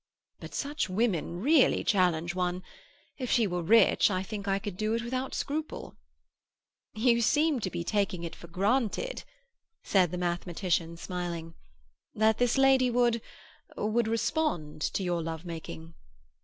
"But such women really challenge one. If she were rich, I think I could do it without scruple." "You seem to be taking it for granted," said the mathematician, smiling, "that this lady would—would respond to your love making."